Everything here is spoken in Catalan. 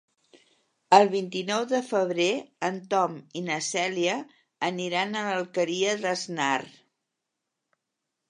El vint-i-nou de febrer en Tom i na Cèlia aniran a l'Alqueria d'Asnar.